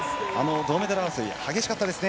銅メダル争い激しかったですね。